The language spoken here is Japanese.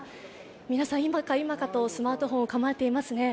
皆さん今か、今かとスマートフォンを構えていますね。